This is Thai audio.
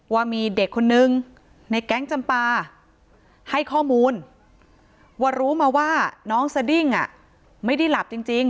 ว่ามีเด็กคนนึงในแก๊งจำปาให้ข้อมูลว่ารู้มาว่าน้องสดิ้งไม่ได้หลับจริง